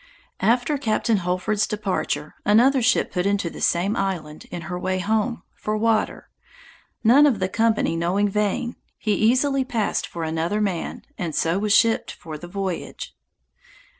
After Captain Holford's departure, another ship put into the same island, in her way home, for water; none of the company knowing Vane, he easily passed for another man, and so was shipped for the voyage.